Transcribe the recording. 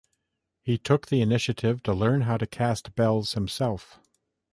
He took the initiative to learn how to cast bells himself.